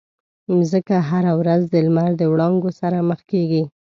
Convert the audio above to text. مځکه هره ورځ د لمر د وړانګو سره مخ کېږي.